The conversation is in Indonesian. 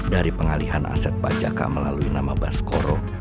dari pengalihan aset pajak melalui nama baskoro